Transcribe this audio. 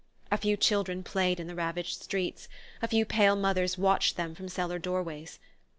A few children played in the ravaged streets; a few pale mothers watched them from cellar doorways.